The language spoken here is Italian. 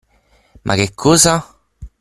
ma che cosa?